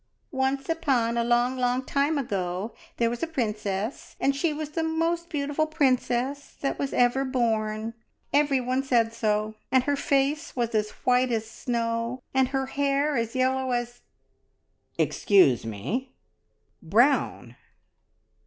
"Once upon a long, long time ago, there was a princess, and she was the most beautiful princess that was ever born. Everyone said so, and her face was as white as snow, and her hair as yellow as " "Excuse me brown!"